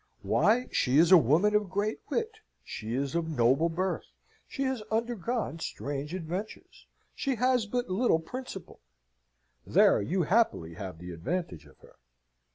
"Why, she is a woman of great wit she is of noble birth she has undergone strange adventures she has but little principle (there you happily have the advantage of her).